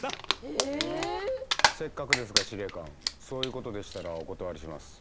えぇ⁉せっかくですが司令官そういうことでしたらお断りします。